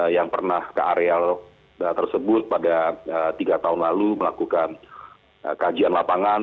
yang pernah ke areal tersebut pada tiga tahun lalu melakukan kajian lapangan